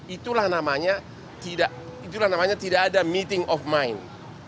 itulah namanya tidak ada meeting of mind